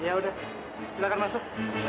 yaudah silahkan masuk